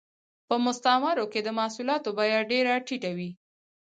په مستعمرو کې د محصولاتو بیه ډېره ټیټه وه